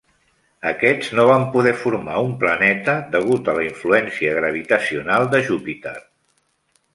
Aquests no van poder formar un planeta degut a la influència gravitacional de Júpiter.